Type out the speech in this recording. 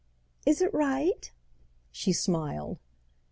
"Is it right?" she smiled.